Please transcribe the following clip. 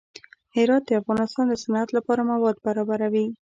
هرات د افغانستان د صنعت لپاره مواد برابروي.